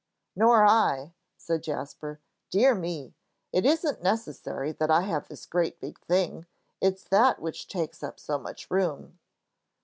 "Nor I," said Jasper. "Dear me, it isn't necessary that I have this great big thing. It's that which takes up so much room."